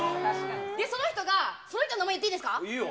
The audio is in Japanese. その人が、その人の名前言っていいいよ。